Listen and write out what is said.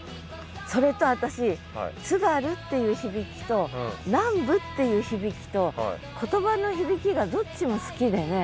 それと私津軽っていう響きと南部っていう響きと言葉の響きがどっちも好きでね。